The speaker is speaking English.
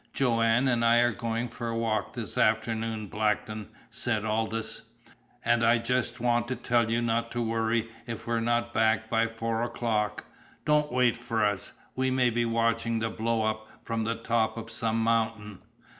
"Joanne and I are going for a walk this afternoon, Blackton," said Aldous, "and I just want to tell you not to worry if we're not back by four o'clock. Don't wait for us. We may be watching the blow up from the top of some mountain."